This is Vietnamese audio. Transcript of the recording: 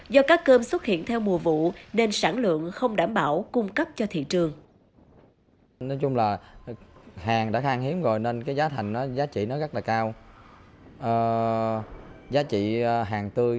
do cá cơm xuất hiện theo mùa vụ nên sản lượng không được đánh bắt